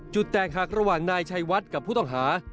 แตกหักระหว่างนายชัยวัดกับผู้ต้องหา